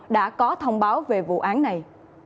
đã có thông báo về vụ án này